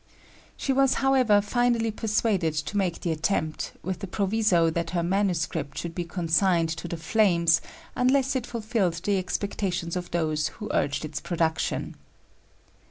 She was, however, finally persuaded to make the attempt, with the proviso that her manuscript should be consigned to the flames unless it fulfilled the expectations of those who urged its production.